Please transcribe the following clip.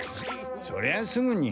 そりゃあすぐに。